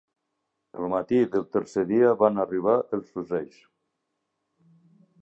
El matí del tercer dia van arribar els fusells.